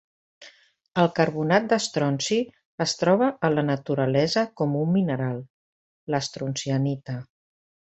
El carbonat d'estronci es troba en la naturalesa com un mineral: l'estroncianita.